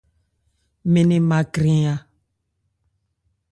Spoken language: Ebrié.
Mɛn nɛn ma krɛn a.